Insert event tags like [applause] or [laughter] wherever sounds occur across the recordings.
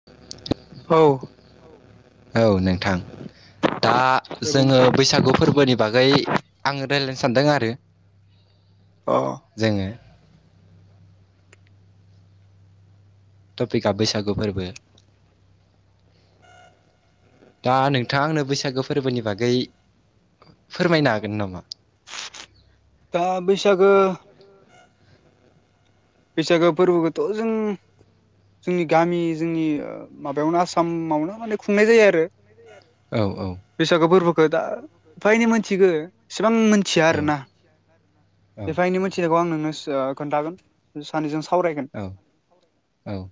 [inaudible] औ औ नोंथां दा दे बुं जोङो बैसागु फोरबोनि बागै आङो रायज्लायनो सानदों आरो। अ जोङो टपिकआ बैसागु फोरबो। दा नोंथाङा आंनो बैसागो फोरबोनि बागै फोरमायनो हागोन नामा? दा बैसागो बैसागो फोरबोखौथ' जों जोंनि गामि जोंनि माबायावनो आसामावनो माने खुंनाय जायो आरो। औ औ बैसागु फोरबोखौ दा फ्रायनो मोनथिगौ इसेबां मोनथिया औ आरोना। बेफायनो मिथिनायखौ आं नोंनो खोन्थागोन सानैजों सावरायगोन। औ औ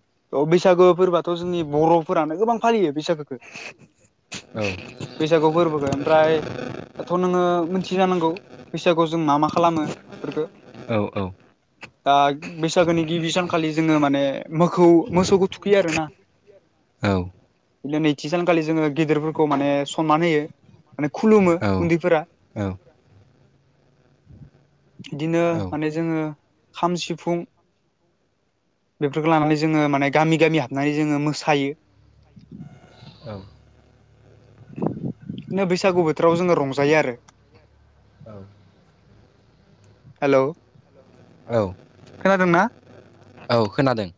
बैसागो फोरबोथ' जोंनि बर'फोरानो गोबां फालियो बैसागोखौ। [inaudible] औ बैसागु फोरबोखौ ओमफ्राय दाथ' नोङो मिथियो जानांगौ बैसागु मा मा खालामो बेफोरखौ औ दा बैसागोनि गिबि सानखालि जोङो माने मोखौ मोसौबो थुखैयो आरोना। [inaudible] बिदिनो नैथि सानखालि जोङो गेदेरफोरखौ माने सनमान होयो माने खुलुमो उन्दैफोरा। औ बिदिनो माने जोङो खाम सिफुं बेफोरखौ लानानै जोङो माने गामि गामि हाबनानै जोङो मोसायो। नो बैसागु बोथोराव जोङो रंजायो आरो हेलौ औ खोनादों ना? औ खोनादों।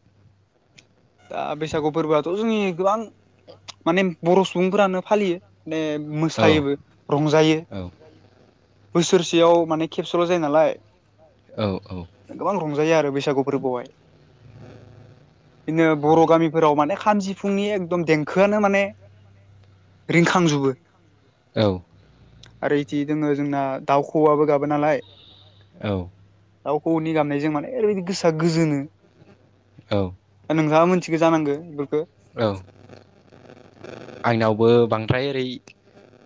दा बैसागु फोरबोआथ' जोंनि गोबां माने बर' सुबुंफोरानो फालियो माने औ मोसायोबो रंजायो औ बोसोरसेयाव माने खेबसेल' जायो नालाय औ औ गोबां रंजायो आरो बैसागु फोरबोआवहाय बिदिनो बर' गामिफोराव माने खाम सिफुंनि एकदम देंखोआनो माने रिंखांजोबो औ आरो इदि दोङो जोंना दाउखवाबबो गाबो नालाय औ दाउखौ नि गामनायजों माने ओरैबायदि गोसा गोजोनो दा नोंथाङा मिथिगो जानांगो बेफोरखौ औ आंनावबो बांद्राय ओरै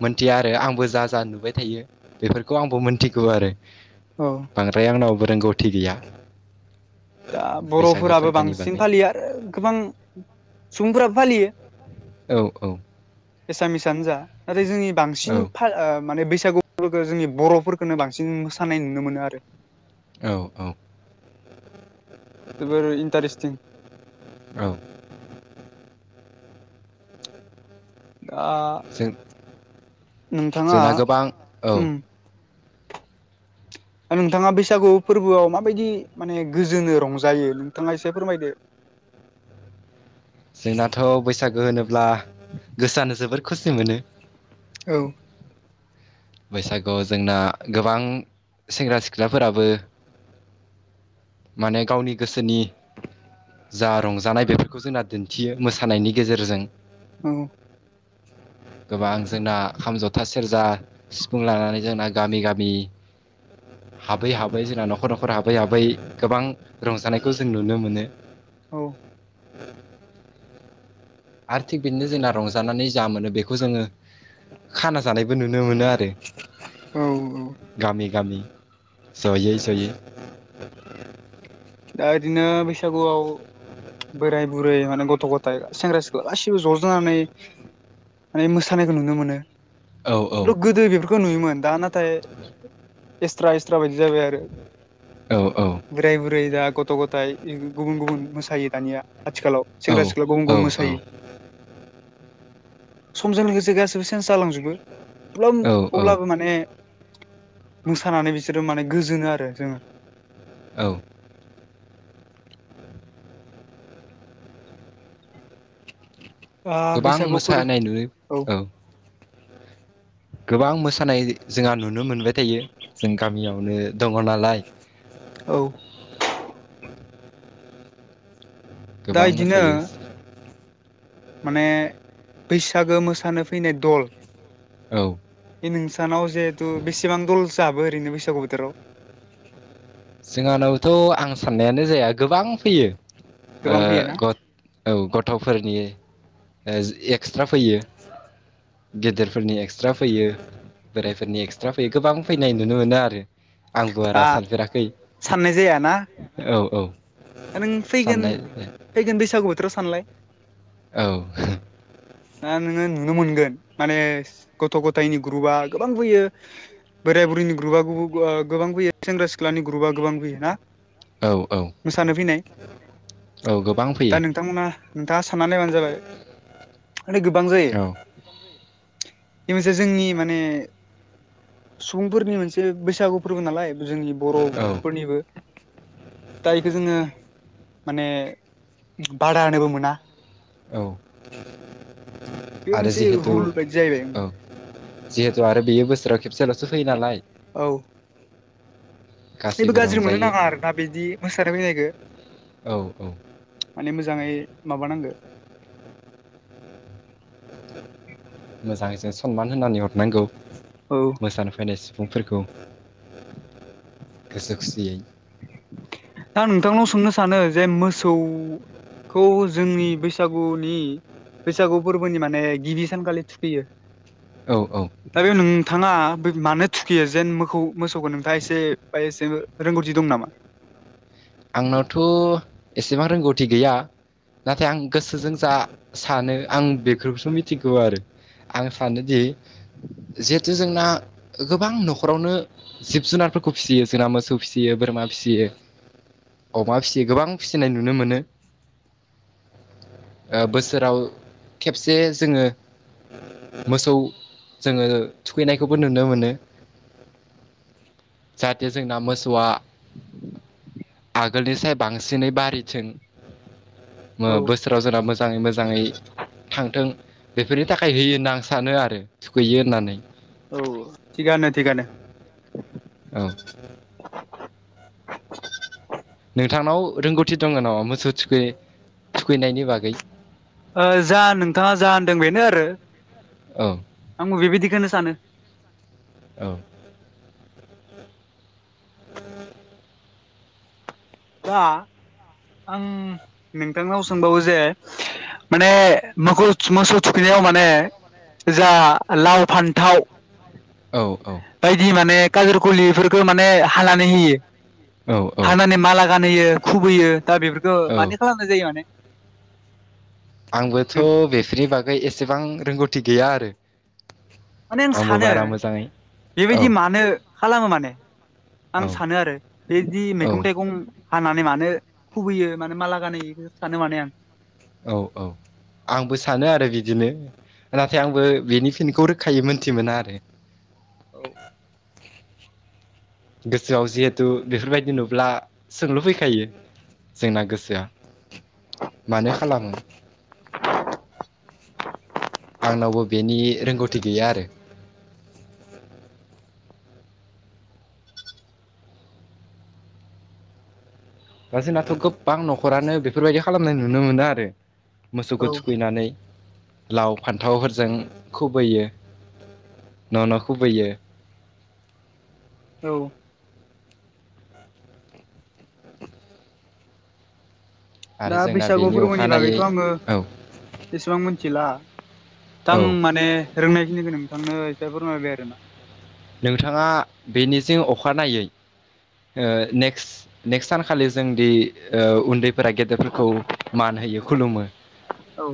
मोनथिया आरो आंबो जा जा नुबाय थायो बेफोरखौ आंबो मोनथिगौ आरो औ बांद्राय आंनावबो रोंगौथि गैया। दा बैसागो बर'फोराबो फोरबोनि बांसिन बागै फालियो आरो गोबां सुबुंफोराबो फालियो। औ औ एसामिसआनो जा नाथाय जोंनि औ बांसिन फा ओ माने बैसागुफोरखौ जोंनि बर'फोरखौनो बांसिन मोसानाय नुनो मोनो आरो औ औ जोबोर इन्टारेस्टिं औ दा जों नोंथाङा जोंना गोबां औ। उम नोंथाङा बैसागु फोरबोआव माबायदि माने गोजोनो रंजायो नोंथाङा एसे फोरमायदो। जोंनाथ' बैसागो होनोब्ला गोसोआानो जोबोर खुसि मोनो। औ बैसागुआव जोंना गोबां सेंग्रा सिख्लाफोराबो माने गावनि गोसोनि जा रंजानाय बेफोरखौ जोंना दिन्थियो मोसानायनि गेजेरजों। ओं गोबां जोंना खाम, जथा, सेरजा सिफुं लानानै जोंना गामि गामि हाबै हाबै जोंना न'खर न'खर हाबै हाबै गोबां रंजानायखौ जों नुनो मोनो। औ आरो थिग बिदिनो जोंना रंजानानै जा मोनो बेखौ जोङो खाना जानायबो नुनो मोनो आरो औ औ गामि गामि जयै जयै दा बिदिनो बैसागुआव बोराय बुरै माने गथ' गथाय सेंग्रा सिख्ला गासैबो ज'जानानै माने मोसानायखौ नुनो मोनो औ औ लुखगोदो बे खौ नुयोमोन दा नाथाय एसथ्रा एसथ्रा बायदि जाबाय आरो औ औ ओरै दा गथ' गथथाय इ गुबुन गुबुन मोसायो दानिया आथिखालाव औ सेंग्रा सिख्ला गुबुन गुबुन मोसायो। [inaudible] समजों लोगोसे गासिबो सेेन्स जालांजोबो। अब्ला औ औ अब्लाबो माने मोसानानै बिसोरो माने गोजोनो आरो जोङो। औ दा गोबां बैसागुफोर मोसानाय नुयो औ गोबां मोसानाय जोंहा नुनो मोनबाय थायो। जों गामियावनो दङ नालाय औ। दा गोबां इदिनो मोसायो। माने बैसागो मोसानो फैनाय दल औ बे नोंसानाव जिहेथु बेसेबां दल जाबो ओरैनो बैसागु बोथोराव? जोंहानावथ' आं साननायानो जाया गोबां फैयो ओ गोबां फैयोना औ गथ'फोरनि एक्सट्रा फैयो गेदेरफोरनि एक्सट्रा फैयो, बोराइफोरनि एक्सट्रा फैयो, गोबां फैनाय नुनो मोनो आरो। आं दा बारा सानफेराखै। साननाय जायाना? औ औ। दा नों फैगोन साननाय फैगोन बैसागु बोथोराव सानलाय। औ। दा नोङो नुनो मोनगोन माने गथ' गथाइनि ग्रुपआ गोबां फैयो बोराय बुरिनि ग्रुपआ गुब गोबां फैयो, सेंग्रा सिख्लानि ग्रुपआ गोबां फैयोना? औ औ। मोसानो फैनाय औ गोबां दा फैयो। नोंथांमोना नोंथाङा सानना नायबानो जाबाय माने गोबां जायो। औ बे मोनसे जोंनि माने सुबुंफोरनि मोनसे बैसागु फोरबो नालाय जोंनि औ बर'फोरनिबो जायखौ जोङो माने बादा होनोबो मोना। औ बे आरो मोनसे जिहेतु रुल बायदि जाहैबाय औ जिहेतु आरो बेयो बोसोराव खेबसेल'सो फैयो नालाय। औ। जेबो गासैबो गाज्रि मोननो रंजायो नाङा आरोना बिदि मोसानो फैनायखौ। औ औ। माने मोजाङै माबानांगो। मोजाङै जों सनमान होनानै हरनांगौ। औ। मोसानो फैनाय सुबुंफोरखौ गोसो खुसियै। दा आम नोंथांनाव सोंनो सानो जे मोसौ खौ जोंनि बैसागुनि बैसागु फोरबोनि माने गिबि सानखालि थुखैयो। औ औ। दा बेयाव नोंथाङा बे मानो थुखियो जेन मोखौ मोसौखौ नोंथाङा एसे बा एसे रोंगौथि दं नामा? आंनावथ' एसेबां रोंगौथि गैया नाथाय आं गोसोजों जा सानो आं बेफोरखौसो मिथिगौ आरो। आं सानोदि जिहेथु जोंना गोबां न'खरावनो जिब जुनारफोरखौ फिसियो, जोंना मोसौ फिसियो, बोरमा फिसियो अमा फिसियो गोबां फिसिनाय नुनो मोनो। ओ बोसोराव खेबसे जोङो मोसौ जोङो थुखैनायखौबो नुनो मोनो जाहाथे जोंना मोसौआ आगोलनि साय बांसिनै बारिथिं औ बोसोर जेराव मोजाङै मोजाङै मोजाङै थांथों बेफोरनि थाखाय होयो होनना आं सानो आरो थुखैयो होननानै औ थिगानो थिगानो औ नोंथांनाव रोंगौथि दङ न' मोसौ थुखै थुखैनायनि बागै जा नोंथाङा जा होनदों बेनो आरो ओं आं बेबायदिखोनो सानो औ दा आं नोंथांनाव सोंबावो जे माने मो मोसौ थुखैनायाव माने जा लाव फान्थाव औ औ बायदि माने काजर खलिफोरखौ माने हानानै होयो औ औ हानानै माला गानहोयो खुबैयो दा बेफोरखौ औ मानिे खालामनाय जायो माने आंबोथ' बेफोरनि बागै एसेबां रोंगौथि गैया आरो माने आं आंबो सानो बारा मोजाङै औ बेबायदि मानो खालामो माने औ आं सानो आरो बेदि मैगं औ थाइगं हानानै मानो खुबैयो मानो माला गानायो बेखौ सानो माने आं औ औ आंबो सानो आरो बिदिनो नाथाय आंबो बेनि फिनखौ रोखायै मोन्थि मोना आरो औ गोसोआव जिहेथु बेफोरबायदि नुब्ला सोंल' फैखायो जोंना गोसोआ मानो खालामो आंनावबो बेनि रोंगौथि गैया आरो गसिनाथ' गोबां न'खरानो बेफोरबायदि खालामनाय नुनो मोनो आरो मोसौखौ औ थुखैनानै लाव फान्थावफोरजों खुबैयो न' न' खुबैयो औ आरो दा जोंना बैसागु बेनि फोरबोनि अखानायै बागैथ' आङो औ एसेबां मिथिला औ दा आं माने रोंनायखिनिखौ नोंथांनो एसे फोरमायबाय आरो ना नोंथाङा बेनिजों अखानायै ने नेक्स सानखालि जों दि उन्दै बोरा गेदेरफोरखौ मान होयो खुलुमो औ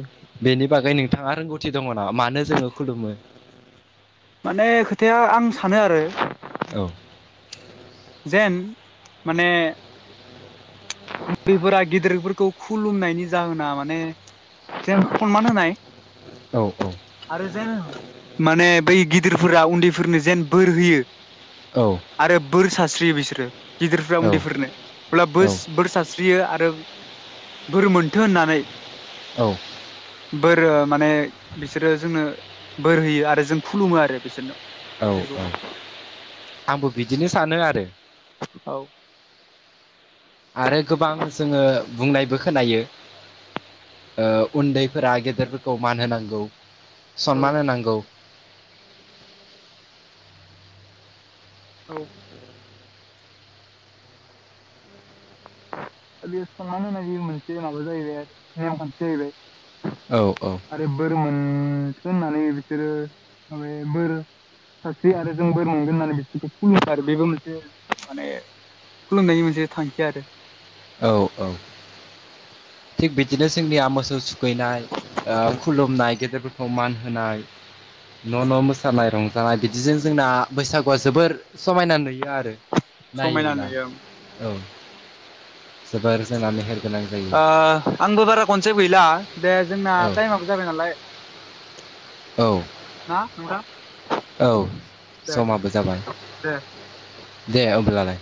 बेनि बागै नोंथाङा रोंगौथि दङ नामा मानो जोङो खुलुमो माने खोथाया आं सानो आरो औ। जेन माने बेफोरा गेदिरफोरखौ खुलुमनायनि जाहोना माने जेन सनमान होनाय औ औ। आरो जेन माने बै गिदिरफोरा उन्दैफोरनो जेन बोर होयो औ। आरो बोर सारास्रियो बिसोरो गिदिरफोरा औ उन्दैफोरनो अब्ला बोर औ बोर स्रि स्रियो आरो बोर मोनथो होननानै औ। बोर माने बिसोरो जोंनो बोर होयो आरो जों खुलुमो आरो बिसोरनाव औ बिसोरखौ औ आंबो बिदिनो सानो आरो औ। आरो गोबां जोङो बुंनायबो खोनायो ओ उन्दैफोरा गेदेरफोरखौ मान होनांगौ सनमान औ होनांगौ औ। बेयो सनमान होनायनि मोनसे माबा जाहैबाय आरो नेमखान्थि जाहैबाय औ औ। आरो बोर मोनसो होननानै बिसोरो माबायो बोर साख्रि आरो जों बोर मोनगोन होननानै बिसोरखौ खुुलुमो आरो बेबो मोनसे माने खुलुमनायनायनि मोनसे थांखिया आरो औ औ। थिग बिदिनो जोंनिया मोसौ सुखैनाय आ खुलुमनाय गेदेरफोरखौ मान होनाय न' न' मोसानाय रंजानाय बिदिजों जोंना बैसागुआ जोबोर समायना नुयो आरो समायना नायोब्ला नुयो औ जोबोर जोंना मेहेर गोनां जायो ओ आंबो बारा खनसे गैला दे जोंना औ टाइमाबो जाबाय नालाय औ ना नोंथां? औ दे दे समाबो जाबाय। दे दे अब्लालाय।